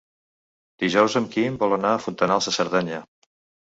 Dijous en Quim vol anar a Fontanals de Cerdanya.